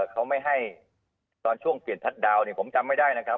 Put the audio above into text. เขาไม่ให้ตอนช่วงเกียรติดดาวน์เนี่ยผมจำไม่ได้นะครับ